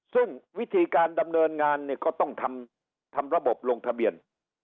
ซึ่งวิธีการดำเนินงานเนี่ยก็ต้องทำระบบลงทะเบียน